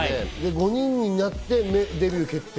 ５人になってデビュー決定。